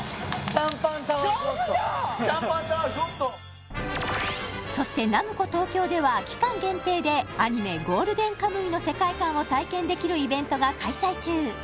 シャンパンタワーゴッドそしてｎａｍｃｏＴＯＫＹＯでは期間限定でアニメ「ゴールデンカムイ」の世界観を体験できるイベントが開催中